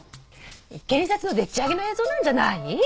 検察のでっちあげの映像なんじゃない？